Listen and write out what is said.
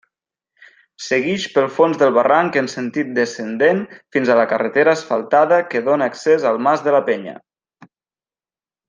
Seguix pel fons del barranc en sentit descendent fins a la carretera asfaltada que dóna accés al Mas de la Penya.